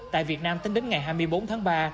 tại việt nam tính đến ngày hai mươi bốn tháng ba